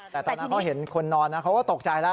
แต่ตอนนั้นเขาเห็นคนนอนนะเขาก็ตกใจแล้ว